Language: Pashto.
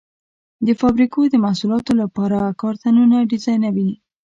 د فابریکو د محصولاتو لپاره کارتنونه ډیزاینوي.